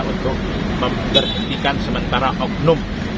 untuk memberhentikan sementara oknum